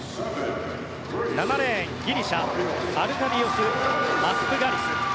７レーン、ギリシャアルカディオス・アスプガリス。